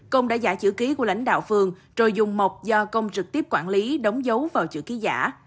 công đã giả chữ ký của lãnh đạo phường rồi dùng mọc do công trực tiếp quản lý đóng dấu vào chữ ký giả